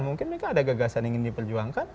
mungkin mereka ada gagasan ingin diperjuangkan